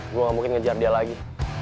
gue gak mungkin ngejar dia lagi